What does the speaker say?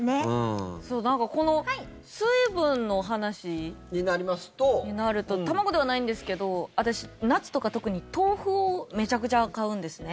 この水分の話になると卵ではないんですけど私、夏とか特に豆腐をめちゃくちゃ買うんですね。